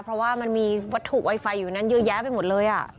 เพราะว่ามันมีวัตถุไวไฟอยู่นั้นเยอะแยะไปหมดเลย